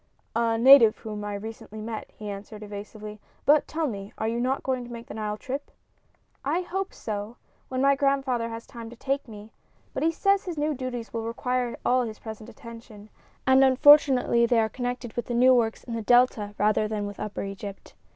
"A native whom I recently met," he answered, evasively. "But tell me, are you not going to make the Nile trip?" "I hope so, when my grandfather has time to take me; but he says his new duties will require all his present attention, and unfortunately they are connected with the new works in the Delta rather than with upper Egypt."